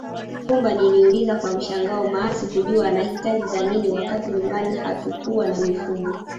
Pumba niliuliza kwa mshangao maana sikujua anahitaji za nini wakati nyumbani hatukuwa na mifugo